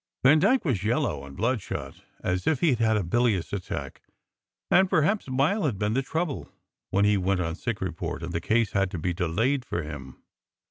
Van dyke was yellow and bloodshot as if he d had a bilious attack, and perhaps bile had been the trouble when he went on sick report and the case had to be delayed for him.